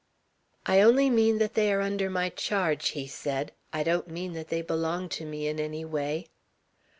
"I only mean that they are under my charge," he said. "I don't mean that they belong to me in any way."